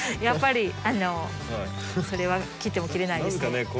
やっぱりそれは切っても切れないですね。